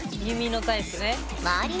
弓のタイプね。